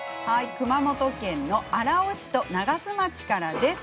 熊本県の荒尾市と長洲町からです。